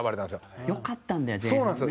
中居：よかったんだよ。